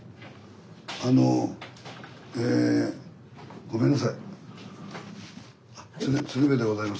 あのえごめんなさい。